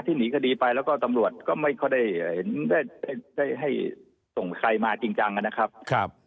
ที่หนีคดีใบแล้วก็ตำรวจไม่ได้ให้ส่งใครมาจริงจังนะครับ